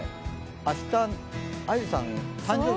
明日、あゆさん、誕生日？